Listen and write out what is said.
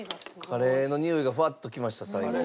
カレーのにおいがふわっときました最後。